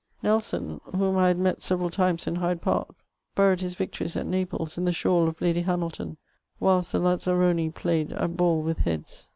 Neboo, whom I had met aeTcral times in Hjrde Park, boried his Tietories at Naples in the fihawl of Lady Hamilton, wlulst the baaroni pbjed at hall with heads.